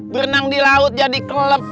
bernang di laut jadi kelep